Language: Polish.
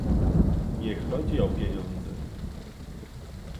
Nie chodzi o pieniądze